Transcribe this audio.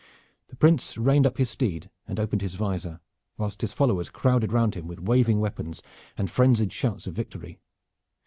The Prince reined up his steed and opened his visor, whilst his followers crowded round him with waving weapons and frenzied shouts of victory.